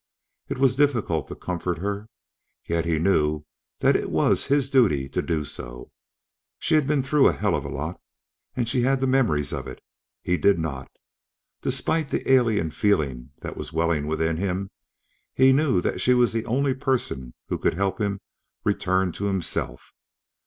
It was difficult to comfort her, yet he knew that it was his duty to do so. She'd been through a hell of a lot, and she had the memories of it. He did not. Despite the alien feeling that was welling within him, he knew that she was the only person who could help him return to himself.